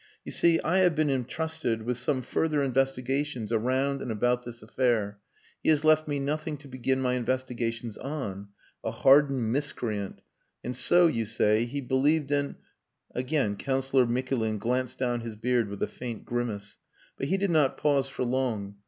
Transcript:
You see, I have been entrusted with some further investigations around and about this affair. He has left me nothing to begin my investigations on. A hardened miscreant. And so, you say, he believed in...." Again Councillor Mikulin glanced down his beard with a faint grimace; but he did not pause for long.